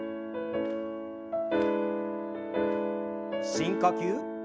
深呼吸。